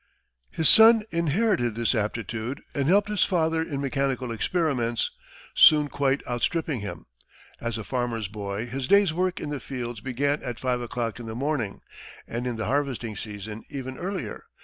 His son inherited this aptitude, and helped his father in mechanical experiments, soon quite outstripping him. As a farmer's boy, his day's work in the fields began at five o'clock in the morning, and in the harvesting season even earlier.